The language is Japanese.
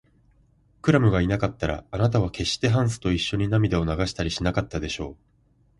クラムがいなかったら、あなたはけっしてハンスといっしょに涙を流したりしなかったでしょう。